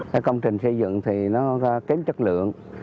cái công trình xây dựng thì nó kém chất lượng